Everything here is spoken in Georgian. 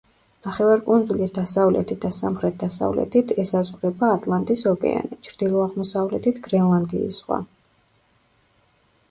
ნახევარკუნძულის დასავლეთით და სამხრეთ-დასავლეთით ესაზღვრება ატლანტის ოკეანე, ჩრდილო-აღმოსავლეთით გრენლანდიის ზღვა.